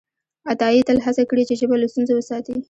عطایي تل هڅه کړې چې ژبه له ستونزو وساتي.